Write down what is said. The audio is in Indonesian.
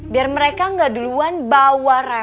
dan seringalap udah ada